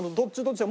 どっち？